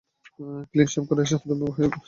Clean shave করে এসে হম্বিতম্বি করলেই ভয়ে চুপসে যাবো?